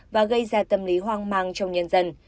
và gây ra tâm lý hoang mang trong nhân dân